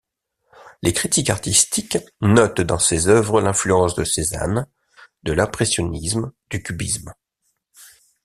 Les critiques artistiques notent dans ses œuvres l'influence de Cézanne, de l'impressionnisme, du cubisme.